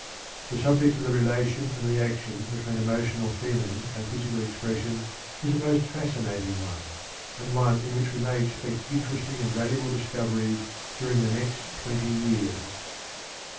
The subject of the relation and reaction between emotional feeling and physical expression is a most fascinating one, and one in which we may expect interesting and valuable discoveries during the next twenty years.